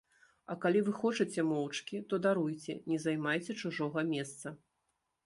А калі вы хочаце моўчкі, то, даруйце, не займайце чужога месца.